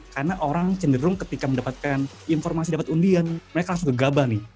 karena orang cenderung ketika mendapatkan informasi mendapat undian mereka langsung gegabah nih